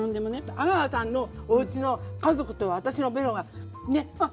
阿川さんのおうちの家族と私のベロがねっ。